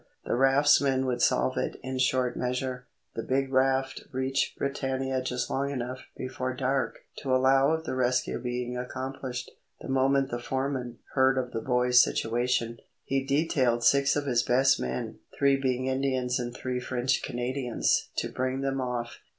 The raftsmen would solve it in short measure. The big raft reached Britannia just long enough before dark to allow of the rescue being accomplished. The moment the foreman heard of the boys' situation he detailed six of his best men, three being Indians and three French Canadians, to bring them off.